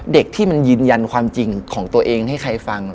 เด็กที่มันยืนยันความจริงของตัวเองให้ใครฟัง